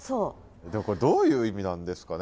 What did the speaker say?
でもこれどういう意味なんですかね。